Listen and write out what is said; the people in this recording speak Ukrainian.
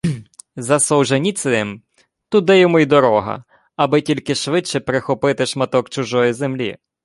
За Солженіциним – туди йому і дорога! Аби тільки швидше прихопити шматок чужої землі